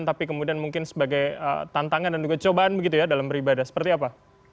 tapi mungkin sebagai tantangan dan juga cobaan dalam beribadah seperti apa